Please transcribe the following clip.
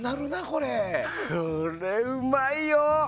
これ、うまいよ！